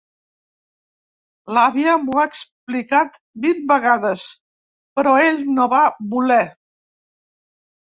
L'àvia m'ho ha explicat vint vegades, però ell no va voler.